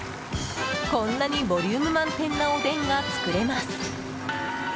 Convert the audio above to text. こんなにボリューム満点なおでんが作れます。